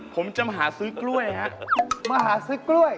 ผมจะมาหาซื้อกล้วยฮะมาหาซื้อกล้วย